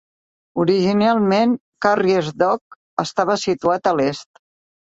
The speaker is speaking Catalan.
Originalment, Carriers' Dock estava situat a l'est.